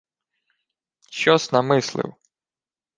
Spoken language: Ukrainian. — Що-с намислив?